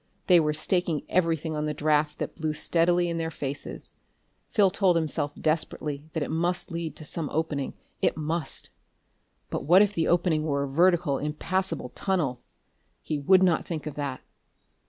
They were staking everything on the draft that blew steadily in their faces; Phil told himself desperately that it must lead to some opening it must! But what if the opening were a vertical, impassable tunnel? He would not think of that....